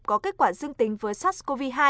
có kết quả dương tính với sars cov hai